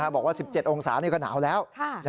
บอกว่า๑๗องศานี่ก็หนาวแล้ว